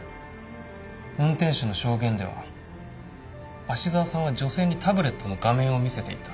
運転手の証言では芦沢さんは女性にタブレットの画面を見せていた。